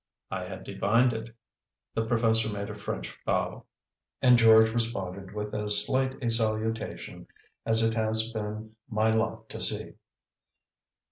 "I had divined it." The professor made a French bow, and George responded with as slight a salutation as it has been my lot to see.